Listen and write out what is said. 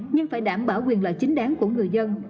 nhưng phải đảm bảo quyền lợi chính đáng của người dân